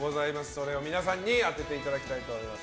それを皆さんに当てていただきたいと思います。